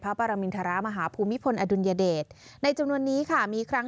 พระปรมินทรมาฮภูมิพลอดุลยเดชในจำนวนนี้ค่ะมีครั้ง